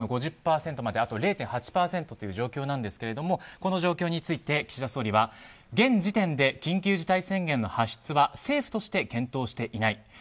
緊急事態宣言を要請する目安の５０％まであと０．８％という状況なんですけれどもこの状況について岸田総理は現時点で緊急事態宣言の発出は政府として検討していない。